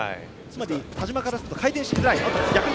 田嶋からすると回転しづらい。